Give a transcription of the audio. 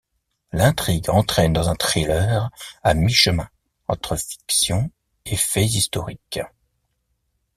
L'intrigue entraîne dans un thriller à mi-chemin entre fiction et faits historiques.